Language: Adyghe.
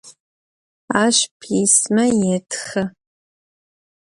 Aş pisme yêtxı.